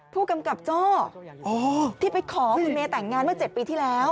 ผู้กำกับโจ้ที่ไปขอคุณเมย์แต่งงานเมื่อ๗ปีที่แล้ว